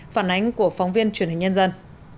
phản ánh của phóng viên truyền hình nhân dân